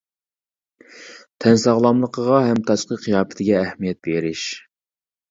تەن ساغلاملىقىغا ھەم تاشقى قىياپىتىگە ئەھمىيەت بېرىش.